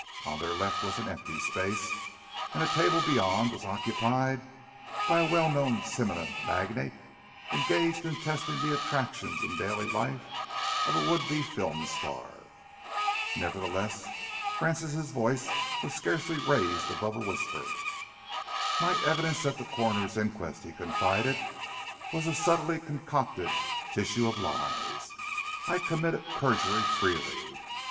On their left was an empty space, and a table beyond was occupied by a well known cinema magnate engaged in testing the attractions in daily life of a would be film star. Nevertheless, Francis' voice was scarcely raised above a whisper. "My evidence at the coroner's inquest," he confided, "was a subtly concocted tissue of lies. I committed perjury freely.